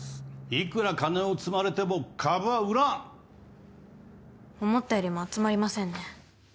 いくら金を積まれても株は売らん思ったよりも集まりませんね